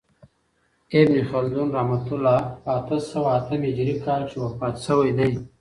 ابن خلدون رحمة الله په اته سوه اتم هجري کال کښي وفات سوی دئ.